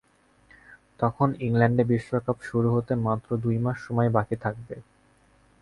তখন ইংল্যান্ডে বিশ্বকাপ শুরু হতে মাত্র দুই মাস সময় বাকি থাকবে।